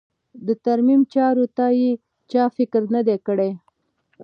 د ترمیم چارو ته یې چا فکر نه دی کړی.